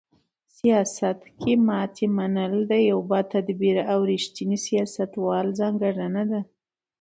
سیاست کې ماتې منل د یو باتدبیره او رښتیني سیاستوال ځانګړنه ده.